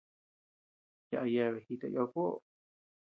Yaʼa yeabe jita yadkuöo.